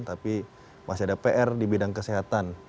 tapi masih ada pr di bidang kesehatan